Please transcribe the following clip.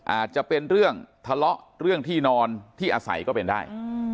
อาจจะเป็นเรื่องทะเลาะเรื่องที่นอนที่อาศัยก็เป็นได้